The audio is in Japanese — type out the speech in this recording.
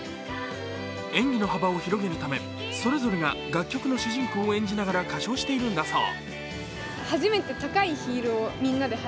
演技の幅を広げるためそれぞれが楽曲の主人公を演じながら歌唱しているんだそう。